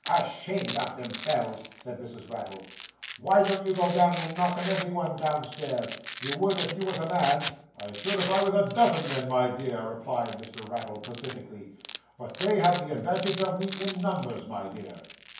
'Ashamed of themselves!' said Mrs. Raddle. 'Why don't you go down and knock 'em every one downstairs? You would if you was a man.' I should if I was a dozen men, my dear,' replied Mr. Raddle pacifically, 'but they have the advantage of me in numbers, my dear.